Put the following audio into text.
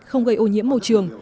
không gây ô nhiễm môi trường